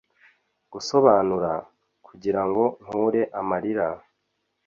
gusobanura, kugirango nkure amarira,